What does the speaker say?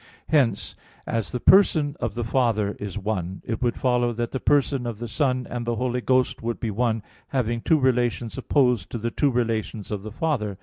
Hence, as the person of the Father is one, it would follow that the person of the Son and of the Holy Ghost would be one, having two relations opposed to the two relations of the Father.